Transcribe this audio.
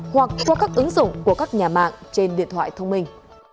hoặc qua các ứng dụng của các nhà mạng trên điện thoại thông minh